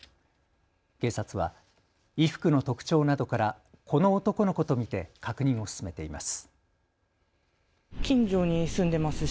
警察は、衣服の特徴などからこの男の子と見て確認を進めています。